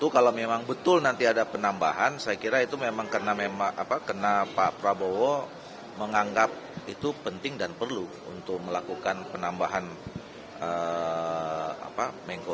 kalau memang betul nanti ada penambahan saya kira itu memang karena pak prabowo menganggap itu penting dan perlu untuk melakukan penambahan mengko